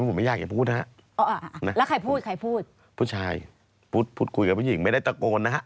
ผมไม่อยากจะพูดนะฮะ